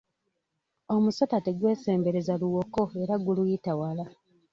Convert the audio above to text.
Omusota tegwesembereza luwoko era guluyita wala.